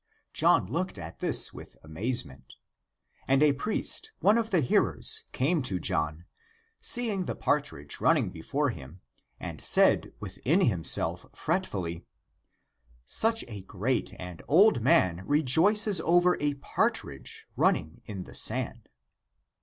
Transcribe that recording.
John looked at this with amazement. And 158 THE APOCRYPHAL ACTS a priest, one of the hearers, came to John, see ing the partridge running before him, and said within himself, fretfully, " Such a great and old man rejoices over a partridge running in the sand